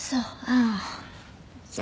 ああ。